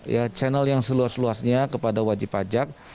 ya channel yang seluas luasnya kepada wajib pajak